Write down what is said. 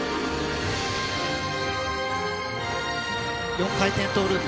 ４回転トウループ。